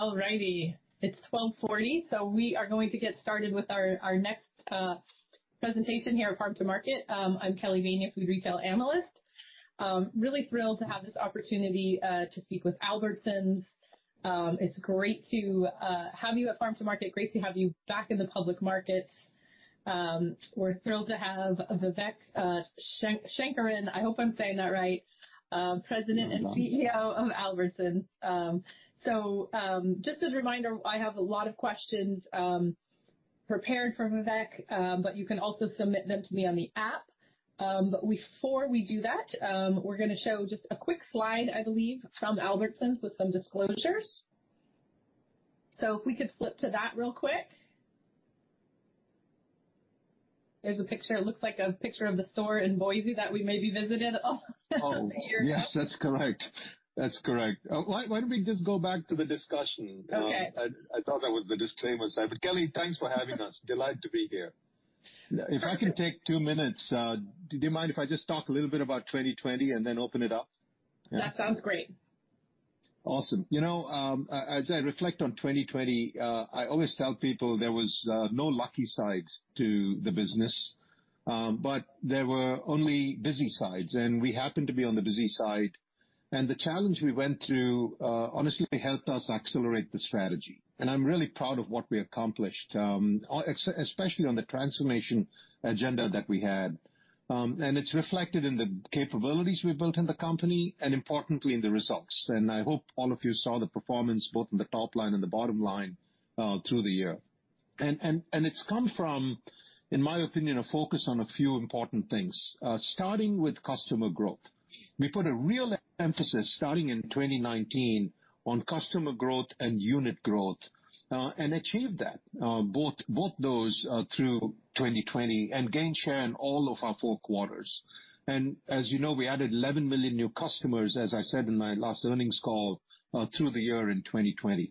All righty. It's 12:40 P.M. We are going to get started with our next presentation here at Farm to Market. I'm Kelly Bania, the retail analyst. I'm really thrilled to have this opportunity to speak with Albertsons. It's great to have you at Farm to Market. Great to have you back in the public markets. We're thrilled to have Vivek Sankaran, I hope I'm saying that right, President and CEO of Albertsons Companies, Inc. Just a reminder, I have a lot of questions prepared for Vivek, but you can also submit them to me on the app. Before we do that, we're going to show just a quick slide, I believe, from Albertsons with some disclosures. If we could flip to that real quick. There's a picture. It looks like a picture of the store in Boise that we maybe visited. Yes, that's correct. Why don't we just go back to the discussion? Okay. I thought that was the disclaimer slide. Kelly, thanks for having us. Delighted to be here. If I could take two minutes, do you mind if I just talk a little bit about 2020 and then open it up? That sounds great. Awesome. As I reflect on 2020, I always tell people there was no lucky side to the business, but there were only busy sides, and we happened to be on the busy side. The challenge we went through honestly helped us accelerate the strategy. I'm really proud of what we accomplished, especially on the transformation agenda that we had. It's reflected in the capabilities we built in the company and importantly in the results. I hope all of you saw the performance both in the top line and the bottom line through the year. It's come from, in my opinion, a focus on a few important things. Starting with customer growth. We put a real emphasis starting in 2019 on customer growth and unit growth and achieved that, both those through 2020, and gained share in all of our four quarters. As you know, we added 11 million new customers, as I said in my last earnings call, through the year in 2020.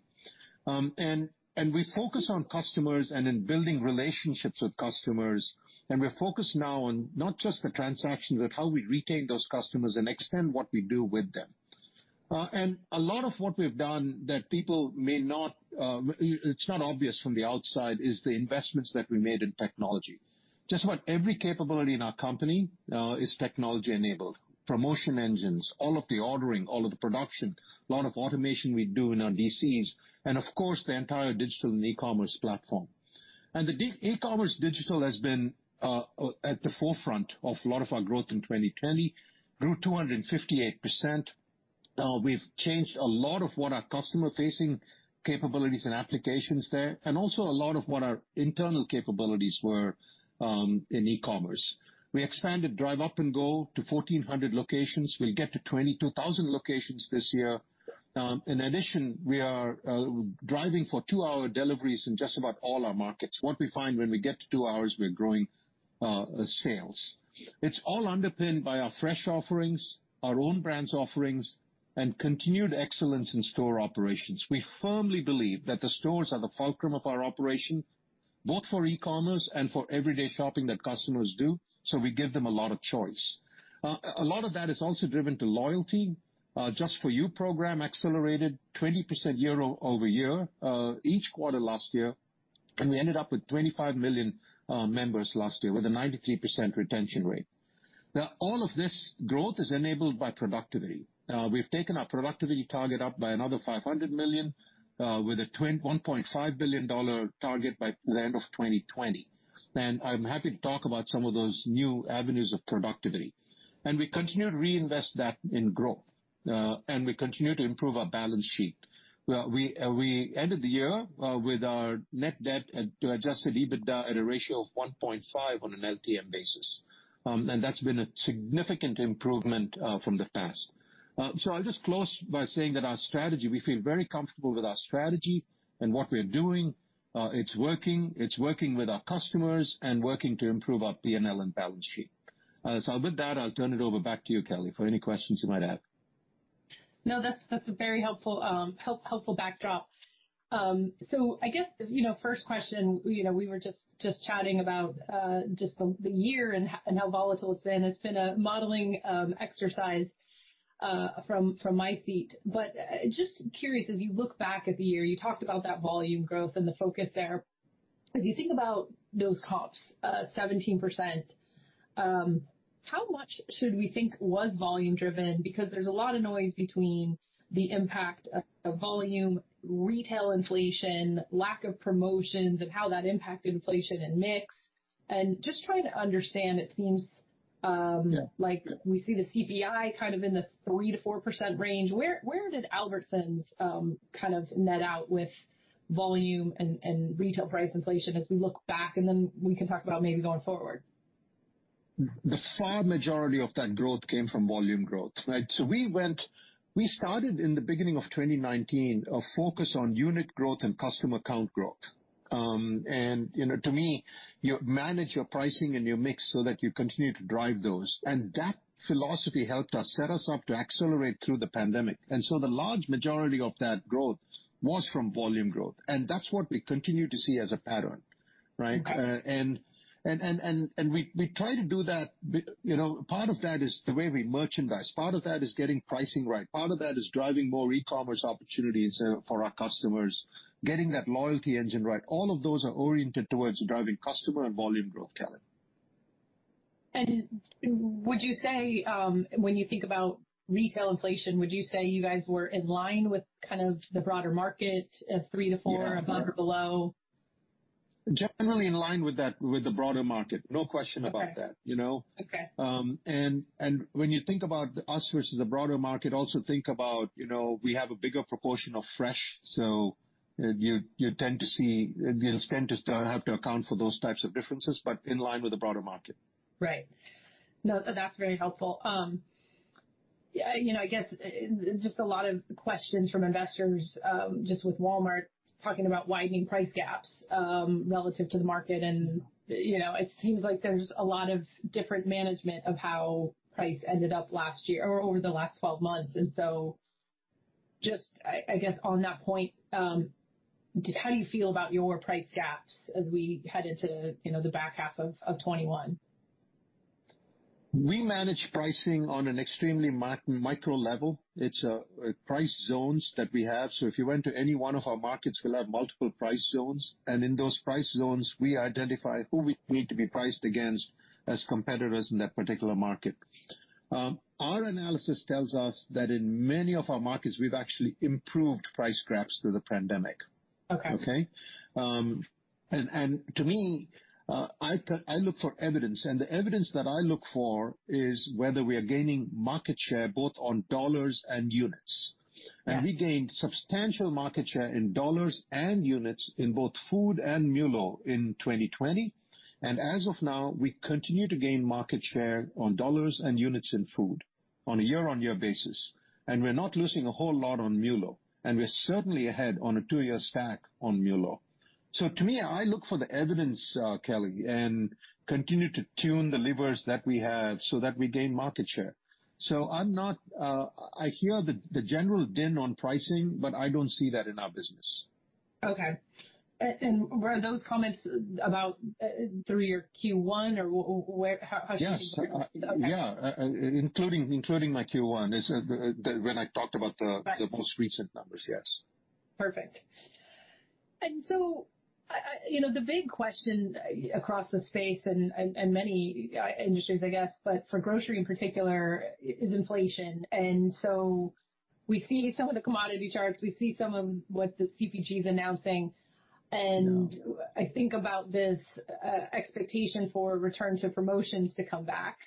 We focus on customers and in building relationships with customers, and we're focused now on not just the transactions, but how we retain those customers and extend what we do with them. A lot of what we've done that it's not obvious from the outside, is the investments that we made in technology. Just about every capability in our company now is technology enabled. Promotion engines, all of the ordering, all of the production, a lot of automation we do in our DCs, and of course, the entire digital and e-commerce platform. The e-commerce digital has been at the forefront of a lot of our growth in 2020, grew 258%. We've changed a lot of what our customer-facing capabilities and applications there, and also a lot of what our internal capabilities were in e-commerce. We expanded DriveUp & Go to 1,400 locations. We'll get to 22,000 locations this year. We are driving for two-hour deliveries in just about all our markets. What we find when we get to two hours, we're growing sales. It's all underpinned by our fresh offerings, our own brands offerings, and continued excellence in store operations. We firmly believe that the stores are the fulcrum of our operation, both for e-commerce and for everyday shopping that customers do. We give them a lot of choice. A lot of that is also driven to loyalty. Just For U program accelerated 20% year-over-year, each quarter last year. We ended up with 25 million members last year with a 93% retention rate. Now, all of this growth is enabled by productivity. We've taken our productivity target up by another $500 million, with a $1.5 billion target by the end of 2020. I'm happy to talk about some of those new avenues of productivity. We continue to reinvest that in growth. We continue to improve our balance sheet. We ended the year with our net debt to adjusted EBITDA at a ratio of 1.5 on an LTM basis. That's been a significant improvement from the past. I'll just close by saying that our strategy, we feel very comfortable with our strategy and what we're doing. It's working. It's working with our customers and working to improve our P&L and balance sheet. With that, I'll turn it over back to you, Kelly, for any questions you might have. No, that's a very helpful backdrop. I guess, first question, we were just chatting about just the year and how volatile it's been. It's been a modeling exercise from my seat. Just curious, as you look back at the year, you talked about that volume growth and the focus there. As you think about those comps, 17%, how much should we think was volume driven? Because there's a lot of noise between the impact of volume, retail inflation, lack of promotions, and how that impacted inflation and mix. Just trying to understand, it seems like we see the CPI kind of in the 3%-4% range. Where did Albertsons kind of net out with volume and retail price inflation as we look back, and then we can talk about maybe going forward? The far majority of that growth came from volume growth, right? We started in the beginning of 2019, a focus on unit growth and customer count growth. To me, you manage your pricing and your mix so that you continue to drive those. That philosophy helped us set us up to accelerate through the pandemic. The large majority of that growth was from volume growth, and that's what we continue to see as a pattern. Right. We try to do that. Part of that is the way we merchandise. Part of that is getting pricing right. Part of that is driving more e-commerce opportunities for our customers. Part of that is getting that loyalty engine right. All of those are oriented towards driving customer and volume growth, Kelly. Would you say, when you think about retail inflation, would you say you guys were in line with kind of the broader market of 3%-4% above or below? Generally in line with the broader market. No question about that. Okay. When you think about us versus the broader market, also think about we have a bigger proportion of fresh, so you tend to see the extent to have to account for those types of differences, but in line with the broader market. Right. No, that's very helpful. I guess just a lot of questions from investors, just with Walmart talking about widening price gaps, relative to the market. It seems like there's a lot of different management of how price ended up last year or over the last 12 months. Just I guess on that point, how do you feel about your price gaps as we head into the back half of 2021? We manage pricing on an extremely micro level. It's price zones that we have. If you went to any one of our markets, we'll have multiple price zones. In those price zones, we identify who we need to be priced against as competitors in that particular market. Our analysis tells us that in many of our markets, we've actually improved price gaps through the pandemic. Okay. Okay. To me, I look for evidence. The evidence that I look for is whether we are gaining market share both on dollars and units. Yeah. We gained substantial market share in dollars and units in both food and MULO in 2020. As of now, we continue to gain market share on dollars and units in food on a year-on-year basis. We're not losing a whole lot on MULO. We're certainly ahead on a two-year stack on MULO. To me, I look for the evidence, Kelly, and continue to tune the levers that we have so that we gain market share. I hear the general din on pricing, but I don't see that in our business. Okay. Were those comments through your Q1 or where-? Yes. How should we see that? Yeah. Including my Q1, when I talked about. Right Most recent numbers. Yes. Perfect. The big question across the space and many industries, I guess, but for grocery in particular, is inflation. We see some of the commodity charts, we see some of what the CPGs are announcing. Yeah. I think about this expectation for returns and promotions to come back,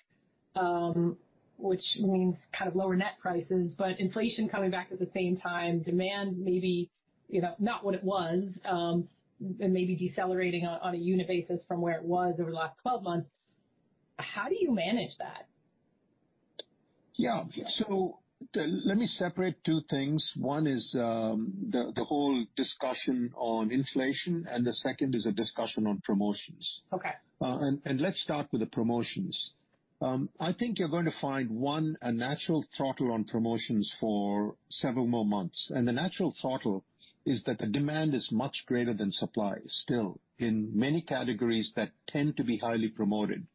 which means kind of lower net prices, but inflation coming back at the same time, demand, maybe, not what it was, and maybe decelerating on a unit basis from where it was over the last 12 months. How do you manage that? Yeah. Let me separate two things. One is the whole discussion on inflation, and the second is a discussion on promotions. Okay. Let's start with the promotions. I think you're going to find, one, a natural throttle on promotions for several more months. The natural throttle is that the demand is much greater than supply still in many categories that tend to be highly promoted.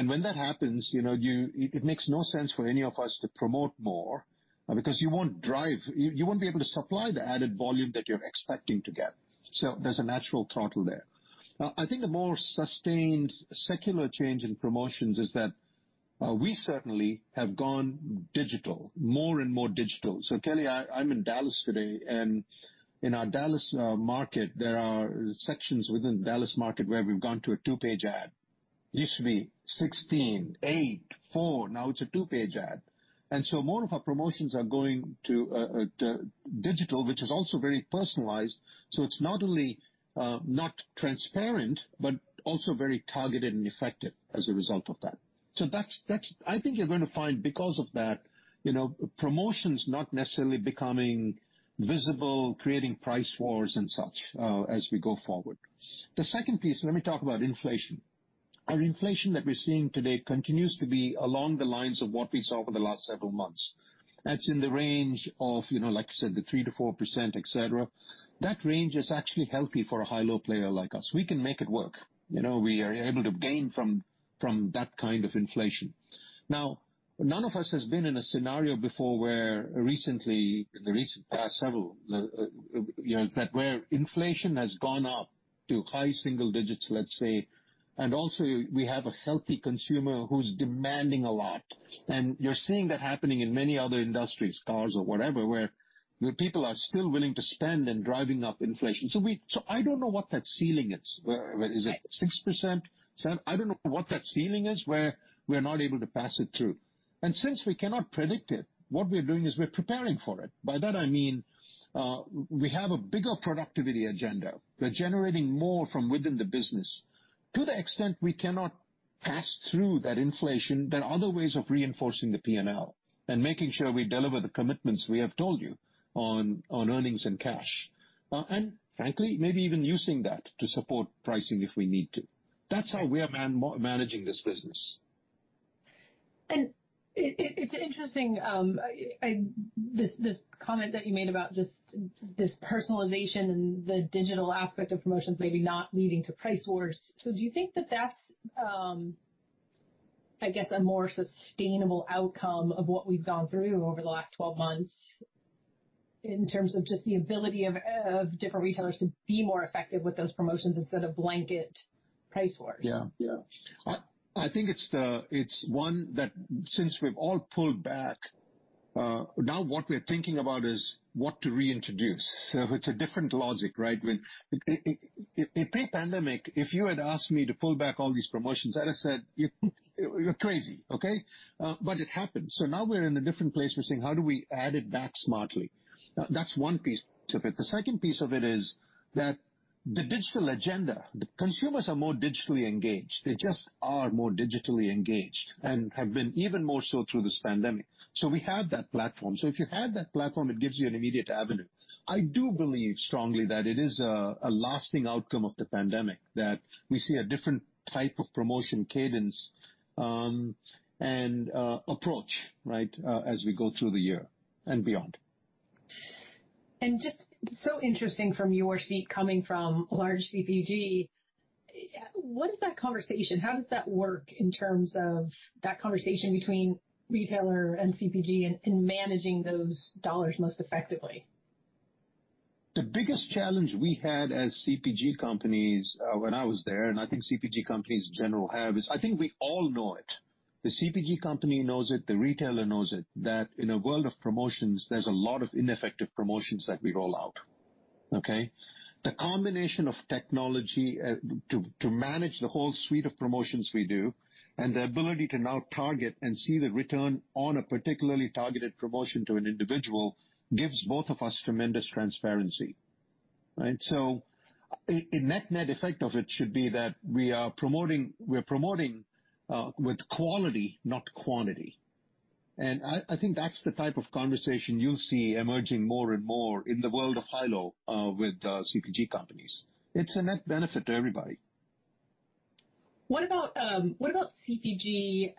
When that happens, it makes no sense for any of us to promote more because you won't be able to supply the added volume that you're expecting to get. There's a natural throttle there. Now, I think a more sustained secular change in promotions is that we certainly have gone digital, more and more digital. Kelly, I'm in Dallas today, and in our Dallas market, there are sections within Dallas market where we've gone to a two-page ad. Used to be 16, eight, four. Now it's a two-page ad. More of our promotions are going to digital, which is also very personalized. It's not only not transparent, but also very targeted and effective as a result of that. I think you're going to find because of that, promotions not necessarily becoming visible, creating price wars and such, as we go forward. The second piece, let me talk about inflation. Our inflation that we're seeing today continues to be along the lines of what we saw over the last several months. That's in the range of, like you said, the 3%-4%, et cetera. That range is actually healthy for a hi-lo player like us. We can make it work. We are able to gain from that kind of inflation. None of us has been in a scenario before where recently, the recent past several years, inflation has gone up to high single digits, let's say. Also, we have a healthy consumer who's demanding a lot. You're seeing that happening in many other industries, cars or whatever, where people are still willing to spend and driving up inflation. I don't know what that ceiling is. Is it 6%? Seven? I don't know what that ceiling is where we're not able to pass it through. Since we cannot predict it, what we're doing is we're preparing for it. By that I mean, we have a bigger productivity agenda. We're generating more from within the business. To the extent we cannot pass through that inflation, there are other ways of reinforcing the P&L and making sure we deliver the commitments we have told you on earnings and cash. Frankly, maybe even using that to support pricing if we need to. That's how we are managing this business. It's interesting, this comment that you made about just this personalization and the digital aspect of promotions maybe not needing to price wars. Do you think that that's, I guess, a more sustainable outcome of what we've gone through over the last 12 months in terms of just the ability of different retailers to be more effective with those promotions instead of blanket price wars? Yeah. I think it's one that since we've all pulled back, now what we're thinking about is what to reintroduce. It's a different logic, right? When in pre-pandemic, if you had asked me to pull back all these promotions, I'd have said, "You're crazy." Okay? It happened. Now we're in a different place. We're saying, how do we add it back smartly? That's one piece of it. The second piece of it is that the digital agenda, the consumers are more digitally engaged. They just are more digitally engaged and have been even more so through this pandemic. We have that platform. If you have that platform, it gives you an immediate avenue. I do believe strongly that it is a lasting outcome of the pandemic that we see a different type of promotion cadence, and approach, right, as we go through the year and beyond. Just so interesting from your seat coming from large CPG, what's that conversation? How does that work in terms of that conversation between retailer and CPG and managing those dollars most effectively? The biggest challenge we had as CPG companies, when I was there, I think CPG companies in general have, is I think we all know it. The CPG company knows it, the retailer knows it, that in a world of promotions, there's a lot of ineffective promotions that we roll out. Okay. The combination of technology to manage the whole suite of promotions we do and the ability to now target and see the return on a particularly targeted promotion to an individual gives both of us tremendous transparency, right? A net effect of it should be that we are promoting with quality, not quantity. I think that's the type of conversation you'll see emerging more and more in the world of hi-lo with CPG companies. It's a net benefit to everybody. What about CPG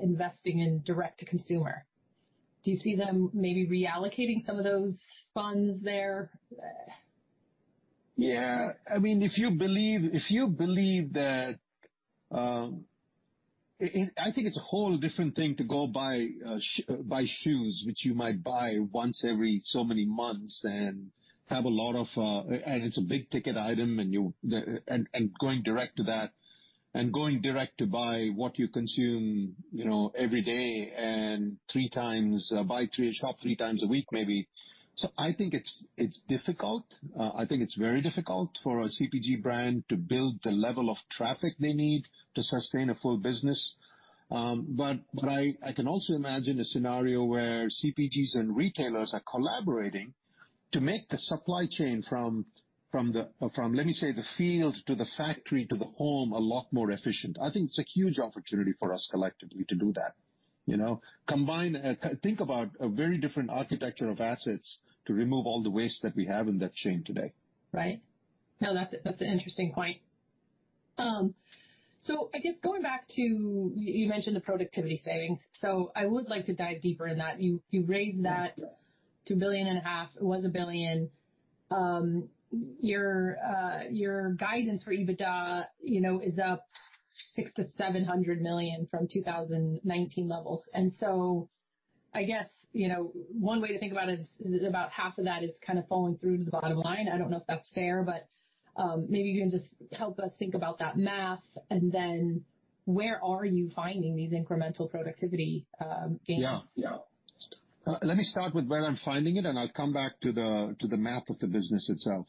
investing in direct to consumer? Do you see them maybe reallocating some of those funds there? Yeah. I think it's a whole different thing to go buy shoes, which you might buy once every so many months and it's a big-ticket item and going direct to buy what you consume every day and buy three, shop three times a week, maybe. I think it's very difficult for a CPG brand to build the level of traffic they need to sustain a full business. I can also imagine a scenario where CPGs and retailers are collaborating to make the supply chain from, let me say, the field to the factory to the home, a lot more efficient. I think it's a huge opportunity for us collectively to do that. Think about a very different architecture of assets to remove all the waste that we have in that chain today. Right. No, that's an interesting point. I guess going back to, you mentioned the productivity savings. I would like to dive deeper in that. You raised that to a billion and a half. It was a billion. Your guidance for EBITDA is up $600 million-$700 million from 2019 levels. I guess, one way to think about it is about half of that is kind of falling through to the bottom line. I don't know if that's fair, but maybe you can just help us think about that math and then where are you finding these incremental productivity gains? Yeah. Let me start with where I'm finding it, and I will come back to the math of the business itself.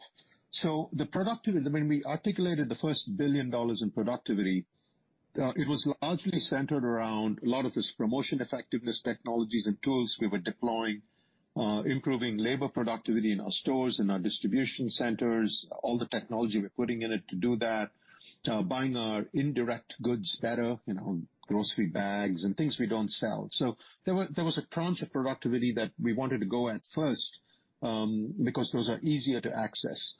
The productivity, when we articulated the first $1 billion in productivity, it was largely centered around a lot of this promotion effectiveness technologies and tools we were deploying, improving labor productivity in our stores and our distribution centers, all the technology we are putting in it to do that, buying our indirect goods better, grocery bags and things we don't sell. There was a tranche of productivity that we wanted to go at first, because those are easier to access.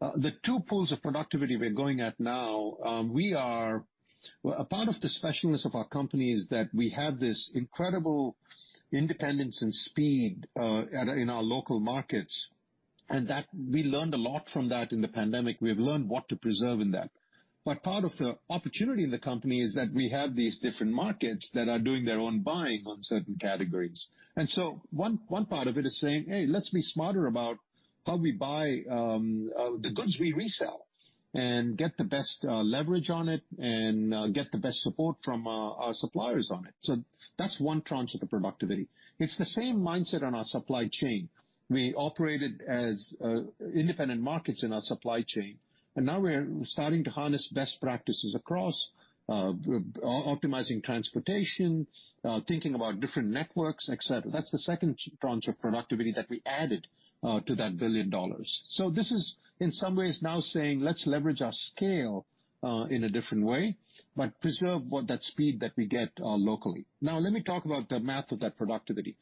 The two pools of productivity we are going at now, a part of the specialists of our company is that we have this incredible independence and speed in our local markets. We learned a lot from that in the pandemic. We have learned what to preserve in that. Part of the opportunity in the company is that we have these different markets that are doing their own buying on certain categories. One part of it is saying, "Hey, let's be smarter about how we buy the goods we resell and get the best leverage on it and get the best support from our suppliers on it." That's one tranche of the productivity. It's the same mindset on our supply chain. We operated as independent markets in our supply chain, and now we're starting to harness best practices across optimizing transportation, thinking about different networks, et cetera. That's the second tranche of productivity that we added to that $1 billion. This is in some ways now saying, let's leverage our scale in a different way, but preserve what that speed that we get locally. Let me talk about the math of that productivity.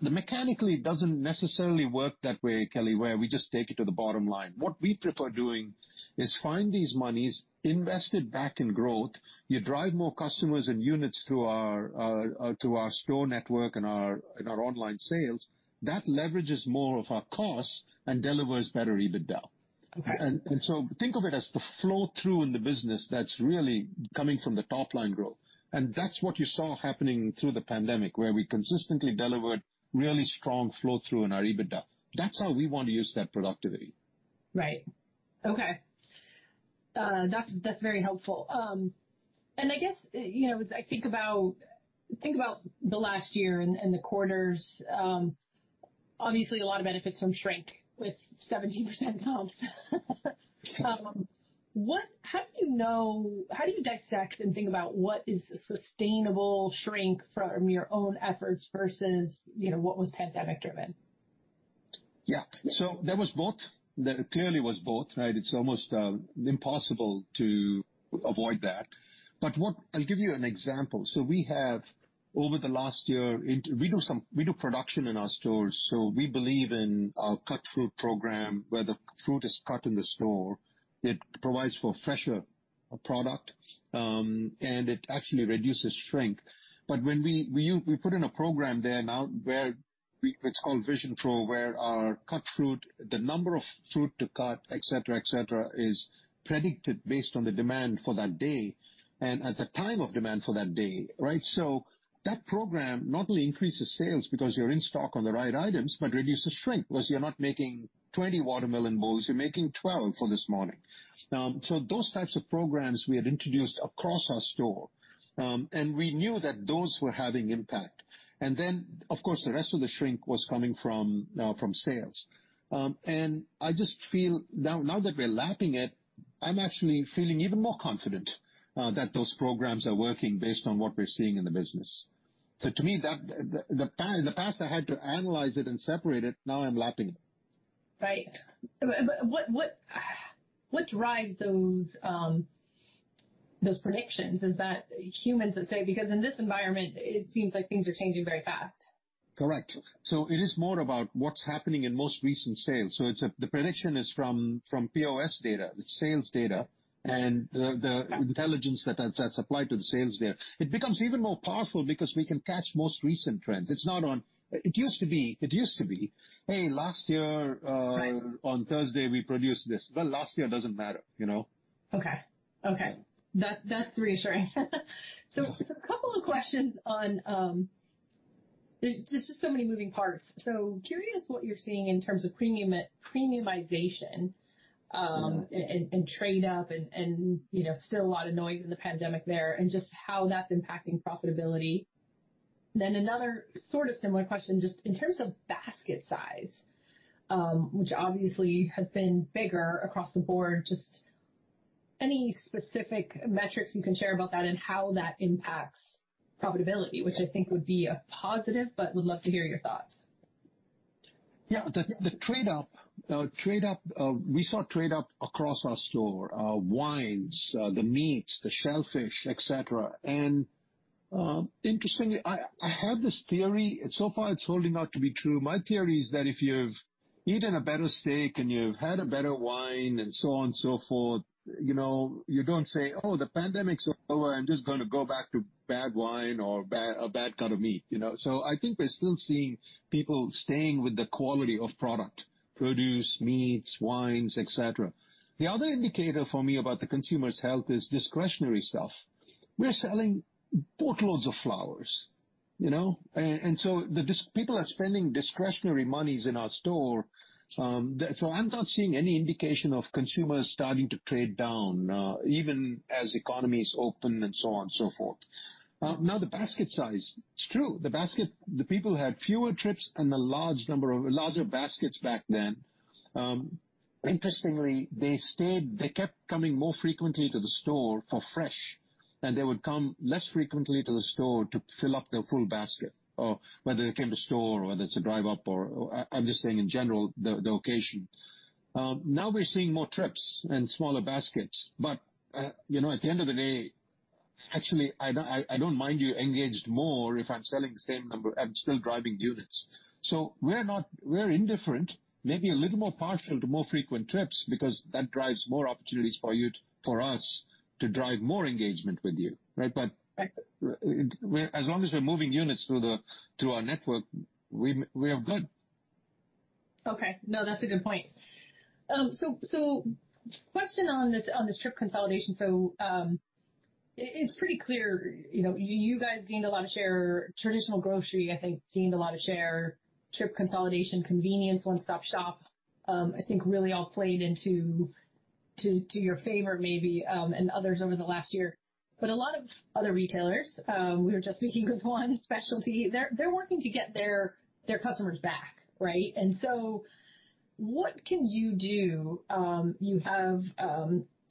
Mechanically, it doesn't necessarily work that way, Kelly, where we just take it to the bottom line. What we prefer doing is find these monies, invest it back in growth. You drive more customers and units to our store network and our online sales. That leverages more of our costs and delivers better EBITDA. Okay. Think of it as the flow-through in the business that's really coming from the top-line growth. That's what you saw happening through the pandemic, where we consistently delivered really strong flow-through in our EBITDA. That's how we want to use that productivity. Right. Okay. That's very helpful. I guess, as I think about the last year and the quarters, obviously a lot of benefits from shrink with 17% comparable. How do you dissect and think about what is the sustainable shrink from your own efforts versus what was pandemic-driven? Yeah. There was both. There clearly was both, right? It's almost impossible to avoid that. I'll give you an example. We have, over the last year, we do production in our stores. We believe in our cut fruit program, where the fruit is cut in the store. It provides for fresher product, and it actually reduces shrink. We put in a program there now where, it's called VisionPro, where our cut fruit, the number of fruit to cut, et cetera, is predicted based on the demand for that day and at the time of demand for that day, right? That program not only increases sales because you're in stock on the right items, but reduces shrink because you're not making 20 watermelon bowls, you're making 12 for this morning. Those types of programs we had introduced across our store. We knew that those were having impact. Then, of course, the rest of the shrink was coming from sales. I just feel now that we're lapping it, I'm actually feeling even more confident that those programs are working based on what we're seeing in the business. To me, in the past, I had to analyze it and separate it. Now I'm lapping it. Right. What drives those predictions? Is that humans that say, because in this environment, it seems like things are changing very fast. Correct. It is more about what's happening in most recent sales. The prediction is from POS data, it's sales data, and the intelligence that's applied to the sales data. It becomes even more powerful because we can catch most recent trends. It used to be, "Hey, last year. Right On Thursday, we produced this." Well, last year doesn't matter. Okay. That's reassuring. Just a couple of questions on-- There's just so many moving parts. Curious what you're seeing in terms of premiumization and trade up and still a lot of noise in the pandemic there and just how that's impacting profitability. Another sort of similar question, just in terms of basket size, which obviously has been bigger across the board, just any specific metrics you can share about that and how that impacts profitability, which I think would be a positive, but would love to hear your thoughts. The trade-up, we saw trade-up across our store, wines, the meats, the shellfish, et cetera. Interestingly, I had this theory, and so far it's holding out to be true. My theory is that if you've eaten a better steak and you've had a better wine and so on and so forth. You don't say, "Oh, the pandemic's over. I'm just going to go back to bad wine or a bad cut of meat." I think we're still seeing people staying with the quality of product, produce, meats, wines, et cetera. The other indicator for me about the consumer's health is discretionary stuff. We're selling boatloads of flowers. People are spending discretionary monies in our store. I'm not seeing any indication of consumers starting to trade down, even as economies open and so on and so forth. Now, the basket size, it's true. The people who had fewer trips and a larger baskets back then, interestingly, they kept coming more frequently to the store for fresh, and they would come less frequently to the store to fill up their full basket, whether they came to store or whether it's a drive up or I'm just saying in general, the occasion. We're seeing more trips and smaller baskets. At the end of the day, actually, I don't mind you engaged more if I'm selling the same number, I'm still driving units. We're indifferent, maybe a little more partial to more frequent trips because that drives more opportunities for us to drive more engagement with you, right? As long as we're moving units to our network, we are good. Okay. No, that's a good point. Question on this trip consolidation. It's pretty clear, you guys gained a lot of share, traditional grocery, I think, gained a lot of share, trip consolidation, convenience, one-stop shop, I think really all played into your favor maybe, and others over the last year. A lot of other retailers, we were just speaking with one specialty, they're working to get their customers back, right? What can you do?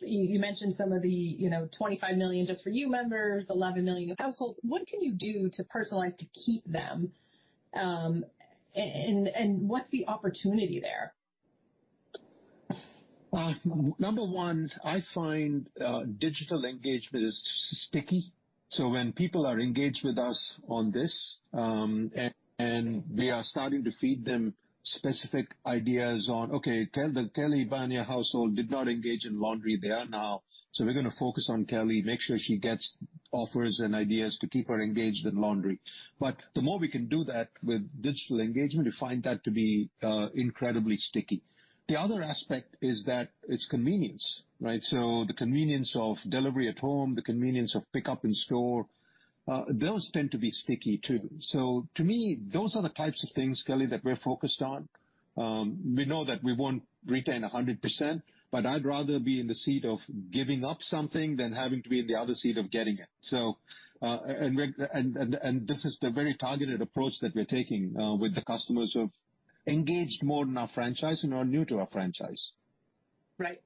You mentioned some of the 25 million Just For U members, 11 million in households. What can you do to personalize to keep them? What's the opportunity there? Number one, I find digital engagement is sticky. When people are engaged with us on this, and we are starting to feed them specific ideas on, okay, the Kelly Bania household did not engage in laundry there now. We're going to focus on Kelly, make sure she gets offers and ideas to keep her engaged in laundry. The more we can do that with digital engagement, we find that to be incredibly sticky. The other aspect is that it's convenience, right? The convenience of delivery at home, the convenience of pickup in-store, those tend to be sticky too. To me, those are the types of things, Kelly, that we're focused on. We know that we won't retain 100%, but I'd rather be in the seat of giving up something than having to be in the other seat of getting it. This is the very targeted approach that we're taking with the customers who have engaged more in our franchise and are new to our franchise. Right.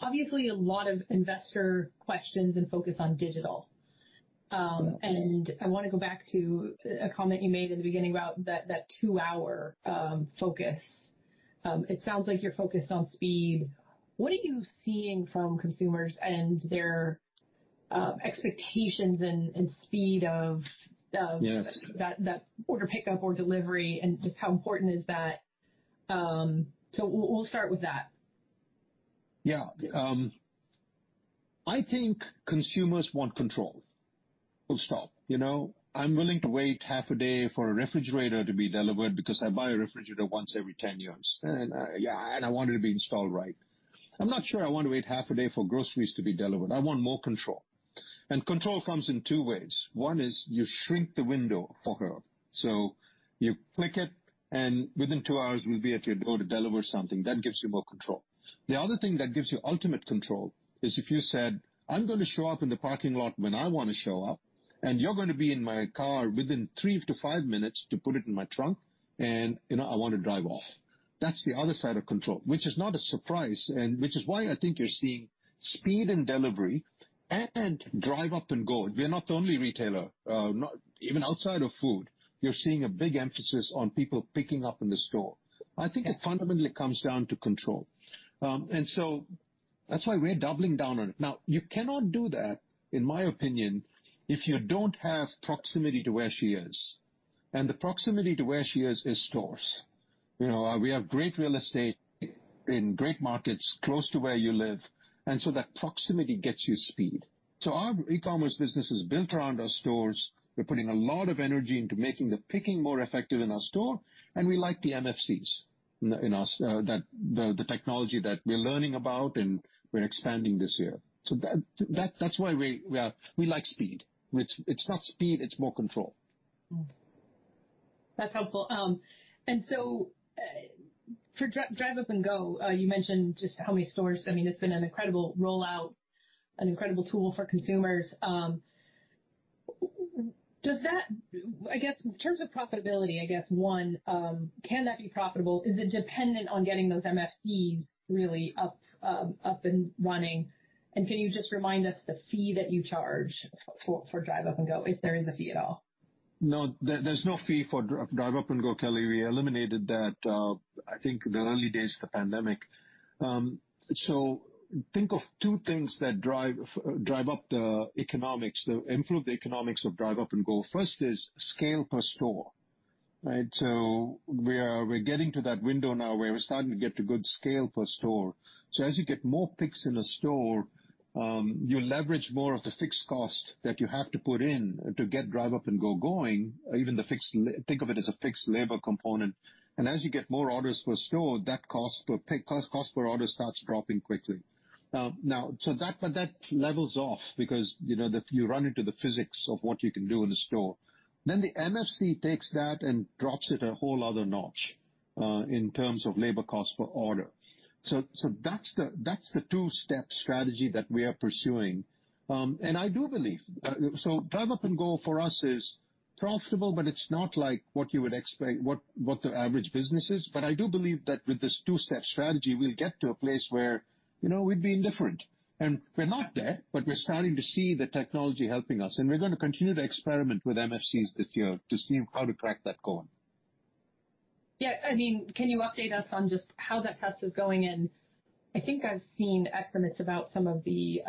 Obviously a lot of investor questions and focus on digital. I want to go back to a comment you made in the beginning about that two-hour focus. It sounds like you're focused on speed. What are you seeing from consumers and their expectations and speed? Yes that order pickup or delivery, and just how important is that? We'll start with that. Yeah. I think consumers want control. Full stop. I'm willing to wait half a day for a refrigerator to be delivered because I buy a refrigerator once every 10 years, and I want it to be installed right. I'm not sure I want to wait half a day for groceries to be delivered. I want more control. Control comes in two ways. One is you shrink the window for her. You click it, and within two hours we'll be at you to go to deliver something. That gives you more control. The other thing that gives you ultimate control is if you said, "I'm going to show up in the parking lot when I want to show up, and you're going to be in my car within three to five minutes to put it in my trunk, and I want to drive off." That's the other side of control, which is not a surprise, and which is why I think you're seeing speed and delivery and DriveUp & Go. We're not the only retailer. Even outside of food, you're seeing a big emphasis on people picking up in the store. I think it fundamentally comes down to control. That's why we're doubling down on it. Now, you cannot do that, in my opinion, if you don't have proximity to where she is, and the proximity to where she is stores. We have great real estate in great markets close to where you live, and so that proximity gets you speed. Our e-commerce business is built around our stores. We're putting a lot of energy into making the picking more effective in our store, and we like the MFCs, the technology that we're learning about, and we're expanding this year. That's why we like speed. It's not speed, it's more control. That's helpful. For DriveUp & Go, you mentioned just how many stores. I mean, it's been an incredible rollout, an incredible tool for consumers. In terms of profitability, I guess, one, can that be profitable? Is it dependent on getting those MFCs really up and running? Can you just remind us the fee that you charge for DriveUp & Go, if there is a fee at all? No, there's no fee for DriveUp & Go, Kelly. We eliminated that, I think, in the early days of the pandemic. Think of two things that drive up the economics, that improve the economics of DriveUp & Go. First is scale per store, right? We're getting to that window now where we're starting to get to good scale per store. As you get more picks in a store, you leverage more of the fixed cost that you have to put in to get DriveUp & Go going, even the fixed labor component. As you get more orders per store, that cost per order starts dropping quickly. Now, that levels off because you run into the physics of what you can do in a store. The MFC takes that and drops it a whole other notch in terms of labor cost per order. That's the two-step strategy that we are pursuing. DriveUp & Go for us is profitable, but it's not like what the average business is. I do believe that with this two-step strategy, we'll get to a place where we'd be indifferent. We're not there, but we're starting to see the technology helping us, and we're going to continue to experiment with MFCs this year to see how to crack that code. Yeah. Can you update us on just how that test is going? I think I've seen estimates about some of the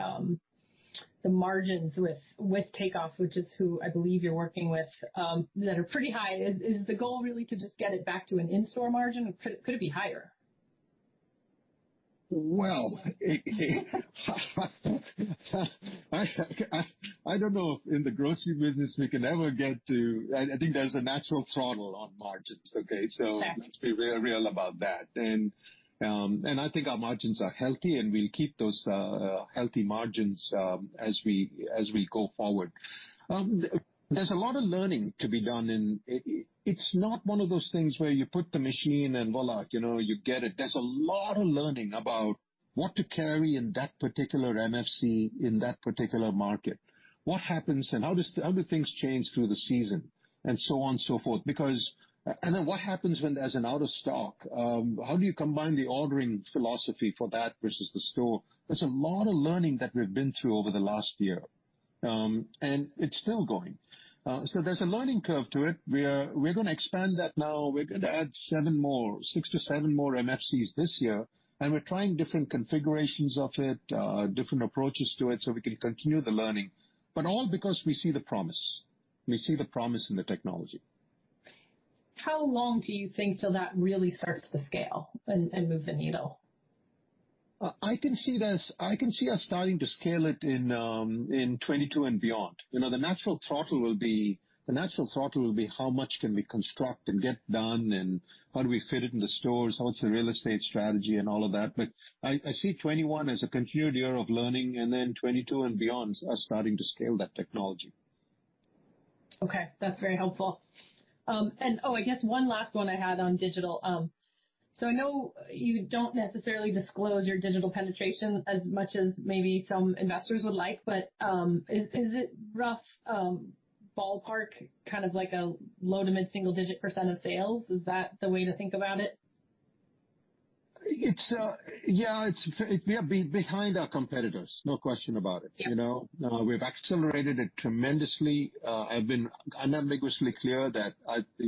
margins with Takeoff, which is who I believe you're working with, that are pretty high. Is the goal really to just get it back to an in-store margin, or could it be higher? Well, I don't know if in the grocery business we can ever get to I think there's a natural throttle on margins, okay? Let's be real about that. I think our margins are healthy, and we'll keep those healthy margins as we go forward. There's a lot of learning to be done, and it's not one of those things where you put the machine and voila, you get it. There's a lot of learning about what to carry in that particular MFC in that particular market. What happens and how do things change through the season, and so on and so forth. What happens when there's an out of stock? How do you combine the ordering philosophy for that versus the store? There's a lot of learning that we've been through over the last year. It's still going. There's a learning curve to it. We're going to expand that now. We're going to add six to seven more MFCs this year. We're trying different configurations of it, different approaches to it, so we can continue the learning. All because we see the promise. We see the promise in the technology. How long do you think till that really starts to scale and move the needle? I can see us starting to scale it in 2022 and beyond. The natural throttle will be how much can we construct and get done, and how do we fit it in the stores? What's the real estate strategy and all of that. I see 2021 as a continued year of learning and then 2022 and beyond as starting to scale that technology. Okay. That's very helpful. Oh, I guess one last one I had on digital. I know you don't necessarily disclose your digital penetration as much as maybe some investors would like, but is it rough ballpark, kind of like a low to mid-single-digit percent of sales? Is that the way to think about it? Yeah. It's behind our competitors, no question about it. We've accelerated it tremendously. I've been unambiguously clear that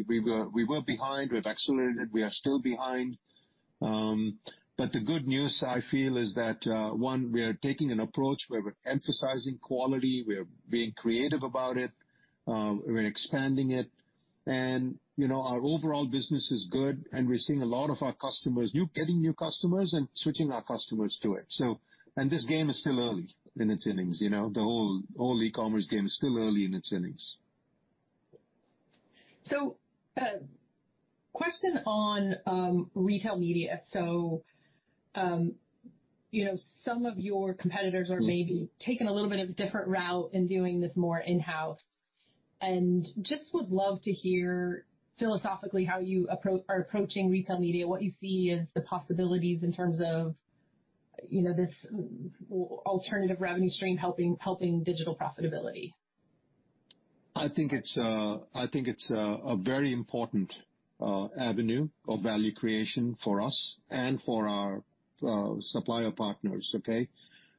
we were behind, we've accelerated, we are still behind. The good news I feel is that, one, we are taking an approach where we're emphasizing quality, we're being creative about it, we're expanding it. Our overall business is good, and we're seeing a lot of our customers, getting new customers and switching our customers to it. This game is still early in its innings. The whole e-commerce game is still early in its innings. Question on retail media. Some of your competitors are maybe taking a little bit of a different route in doing this more in-house, and just would love to hear philosophically how you are approaching retail media, what you see as the possibilities in terms of this alternative revenue stream helping digital profitability. I think it's a very important avenue of value creation for us and for our supplier partners, okay?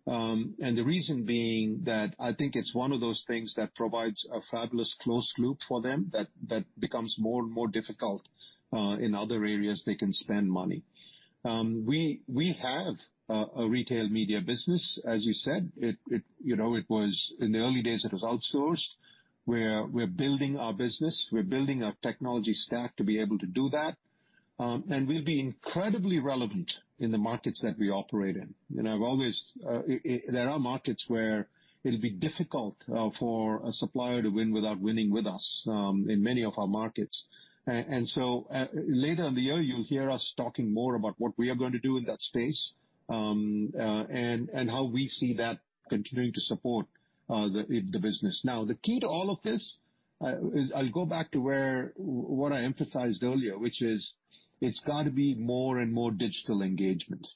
The reason being that I think it's one of those things that provides a fabulous closed loop for them that becomes more and more difficult in other areas they can spend money. We have a retail media business, as you said. In the early days, it was outsourced. We're building our business. We're building our technology stack to be able to do that. We'll be incredibly relevant in the markets that we operate in. There are markets where it'll be difficult for a supplier to win without winning with us in many of our markets. Later in the year, you'll hear us talking more about what we are going to do in that space and how we see that continuing to support the business. The key to all of this is, I'll go back to what I emphasized earlier, which is it's got to be more and more digital engagement.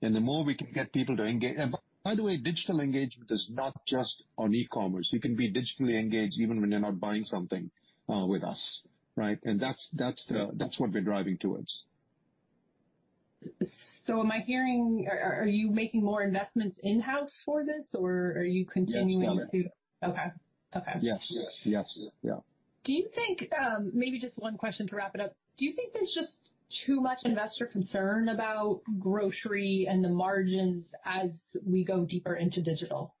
The more we can get people to engage. By the way, digital engagement is not just on e-commerce. You can be digitally engaged even when you're not buying something with us, right? That's what we're driving towards. Am I hearing, are you making more investments in-house for this, or are you continuing? Yes. Okay. Yes. Do you think, maybe just one question to wrap it up, do you think there's just too much investor concern about grocery and the margins as we go deeper into digital?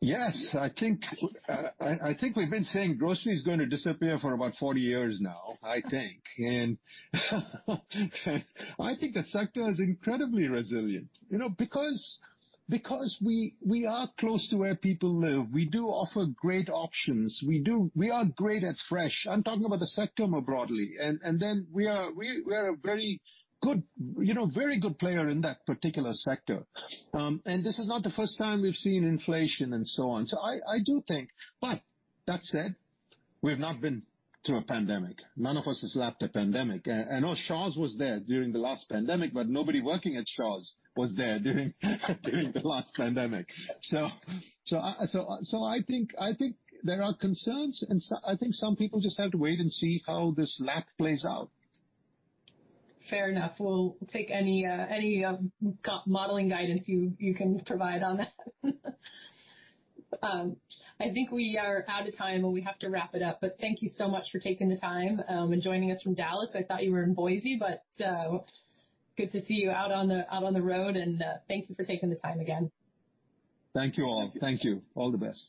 Yes. I think we've been saying grocery is going to disappear for about 40 years now, I think. I think the sector is incredibly resilient. Because we are close to where people live. We do offer great options. We are great at fresh. I'm talking about the sector more broadly. We are a very good player in that particular sector. This is not the first time we've seen inflation and so on. I do think, but that said, we've not been through a pandemic. None of us has left a pandemic. I know Shaw's was there during the last pandemic, but nobody working at Shaw's was there during the last pandemic. I think there are concerns, and I think some people just have to wait and see how this lap plays out. Fair enough. We'll take any modeling guidance you can provide on that. I think we are out of time, and we have to wrap it up. Thank you so much for taking the time and joining us from Dallas. I thought you were in Boise, but whoops. Good to see you out on the road, and thank you for taking the time again. Thank you all. Thank you. All the best.